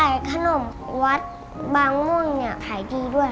ไปขายขนมวัดบางมุมเนี่ยขายดีด้วยค่ะ